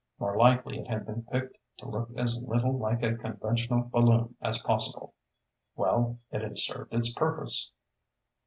More likely it had been picked to look as little like a conventional balloon as possible. Well, it had served its purpose.